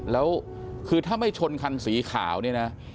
แล้วคือถ้าไม่ชนคันสีขาวเนี่ยนะ